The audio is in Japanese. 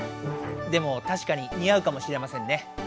でもたしかにに合うかもしれませんね。